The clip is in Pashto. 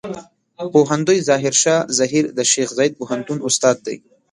پوهندوی ظاهر شاه زهير د شیخ زايد پوهنتون استاد دی.